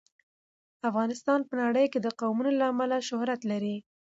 افغانستان په نړۍ کې د قومونه له امله لوی شهرت لري.